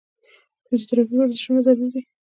فزيوتراپي ورزشونه ضرور کوي -